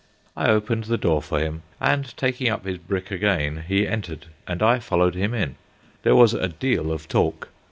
I opened the door for him, and, taking up his brick again, he entered, and I followed him in. There was a deal of talk.